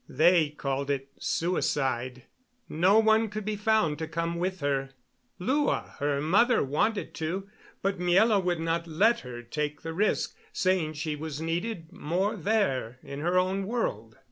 They called it suicide. No one could be found to come with her. Lua, her mother, wanted to, but Miela would not let her take the risk, saying she was needed more there in her own world.